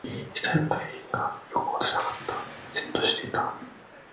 一人の隊員が動こうとしなかった。じっとしていた。